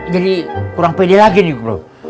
jadi kurang pede lagi nih bro